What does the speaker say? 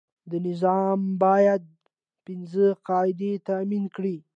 دا نظام باید پنځه قاعدې تامین کړي.